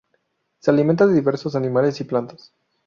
Se alimenta de diversos animales y plantas.